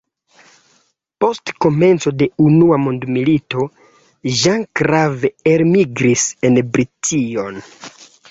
Post komenco de Unua mondmilito Jean Grave, elmigris en Brition.